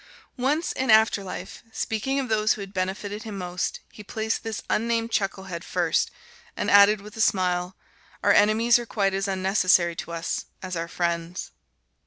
Once, in after life, in speaking of those who had benefited him most, he placed this unnamed chucklehead first, and added with a smile, "Our enemies are quite as necessary to us as our friends."